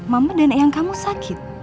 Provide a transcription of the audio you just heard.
mama dan ayah kamu sakit